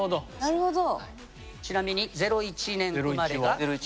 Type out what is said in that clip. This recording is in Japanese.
なるほど。